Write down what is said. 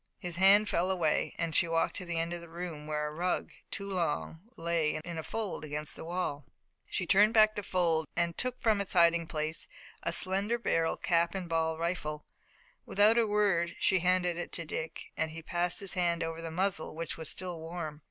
His hand fell away and she walked to the end of the room where a rug, too long, lay in a fold against the wall. She turned back the fold and took from its hiding place a slender barreled cap and ball rifle. Without a word she handed it to Dick and he passed his hand over the muzzle, which was still warm.